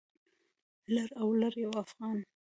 لر او لر یو افغان